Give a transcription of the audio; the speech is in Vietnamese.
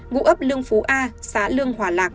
ngụ ấp lương phú a xã lương hòa lạc